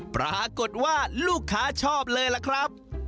ปรากฏว่าลูกค้าชอบเลยล่ะครับ